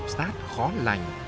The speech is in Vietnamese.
giác khó lành